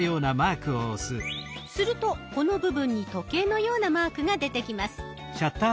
するとこの部分に時計のようなマークが出てきます。